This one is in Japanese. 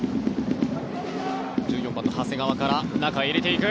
１４番の長谷川から中に入れていく。